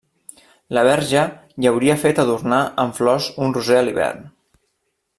La Verge hi hauria fet adornar amb flors un roser a l'hivern!